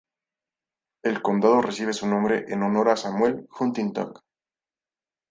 El condado recibe su nombre en honor a Samuel Huntington.